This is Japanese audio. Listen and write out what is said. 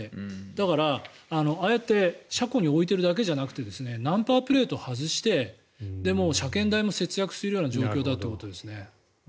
だから、ああやって車庫に置いているだけじゃなくてナンバープレートを外して車検代も節約するような状況だということですよね。